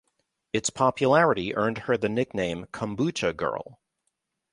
Its popularity earned her the nickname "Kombucha Girl".